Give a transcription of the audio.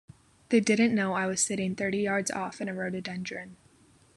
They didn’t know I was sitting thirty yards off in a rhododendron.